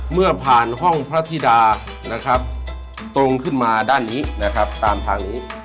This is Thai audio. เมื่อผ่านห้องพระธิดาตรงขึ้นมาด้านนี้ตามทางนี้